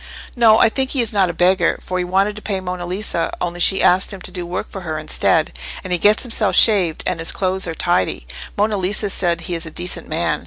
"No, I think he is not a beggar, for he wanted to pay Monna Lisa, only she asked him to do work for her instead. And he gets himself shaved, and his clothes are tidy: Monna Lisa says he is a decent man.